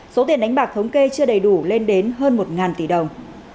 số tiền đánh bạc thống kê chưa đầy đủ lên đến hơn một tỷ đồng